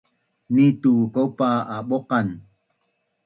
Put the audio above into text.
Nitu kaupa abuqan